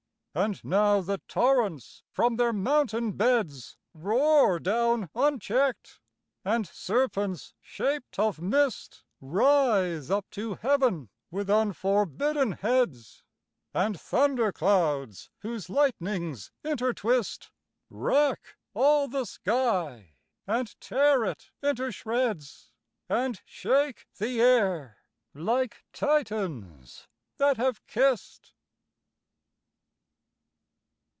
And now the torrents from their mountain beds Roar down uncheck'd; and serpents shaped of mist Writhe up to Heaven with unforbidden heads; And thunder clouds, whose lightnings intertwist, Rack all the sky, and tear it into shreds, And shake the air like Titians that have kiss'd!